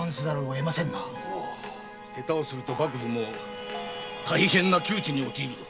下手をすると幕府も大変な窮地に陥るぞ。